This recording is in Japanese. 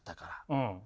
うん。